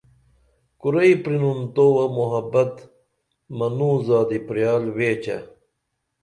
کُرئی پرینُن تووہ محبت منوں زادی پریال ویچہ